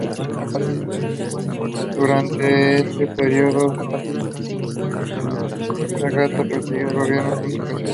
Durante este periodo, Sagasta presidió el gobierno en cinco ocasiones.